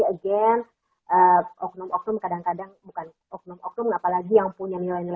again oknum oknum kadang kadang bukan oknum oknum apalagi yang punya nilai nilai